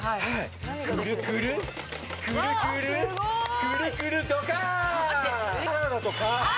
くるくるくるくるくるくるドッカン。